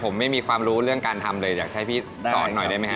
ผมไม่มีความรู้เรื่องการทำเลยอยากให้พี่สอนหน่อยได้ไหมครับ